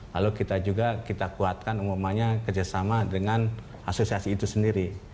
lalu kita juga kita kuatkan umumnya kerjasama dengan asosiasi itu sendiri